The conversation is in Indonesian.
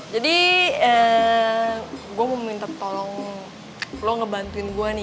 jadi gue mau minta tolong lo ngebantuin gue nih